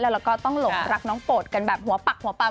แล้วก็ต้องหลงรักน้องโปรดกันแบบหัวปักหัวปั๊ม